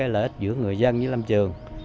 lợi ích giữa người dân với lâm trường